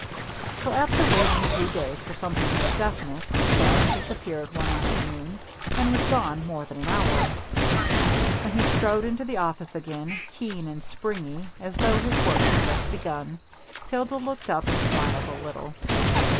So, after waiting a few days for something more definite, Bannon disappeared one afternoon and was gone more than an hour. When he strode into the office again, keen and springy as though his work had just begun, Hilda looked up and smiled a little.